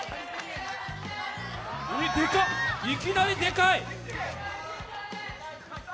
でかっ、いきなりでかい！